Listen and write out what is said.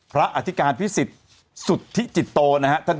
พระอธิกานภิษฎิสุธิจิตโตนะครับ